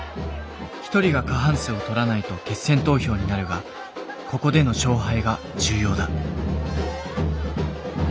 １人が過半数をとらないと決選投票になるがここでの勝敗が重要だ。